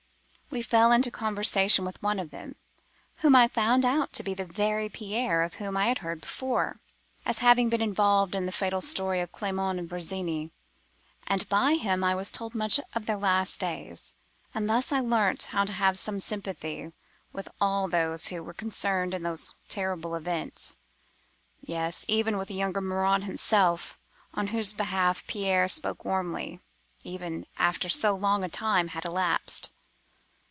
We fell into conversation with one of them, whom I found out to be the very Pierre of whom I had heard before, as having been involved in the fatal story of Clement and Virginie, and by him I was told much of their last days, and thus I learnt how to have some sympathy with all those who were concerned in those terrible events; yes, even with the younger Morin himself, on whose behalf Pierre spoke warmly, even after so long a time had elapsed.